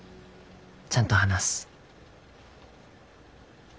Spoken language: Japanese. ちゃんと話す。